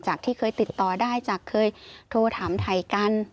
ที่เคยติดต่อได้จากเคยโทรถามถ่ายกัน